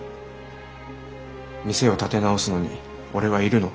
店を立て直すのに俺は要るの？